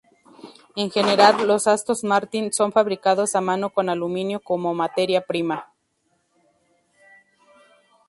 En general los Aston Martin son fabricados a mano con aluminio como materia prima.